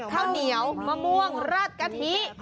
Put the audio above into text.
ข้าวเหนียวมะม่วงราดกะทิ